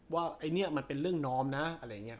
ว่าไอ้นี่มันเป็นเรื่องนอมนะอะไรอย่างนี้